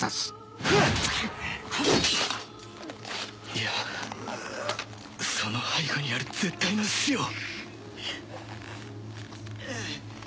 いやその背後にある絶対の死を